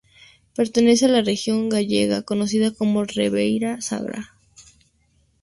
Pertenece a la región gallega conocida como Ribeira Sacra.